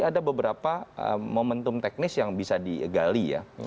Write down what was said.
ada beberapa momentum teknis yang bisa digali ya